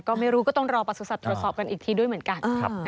ก็ไม่รู้ก็ต้องรอประสุทธิ์ตรวจสอบกันอีกทีด้วยเหมือนกัน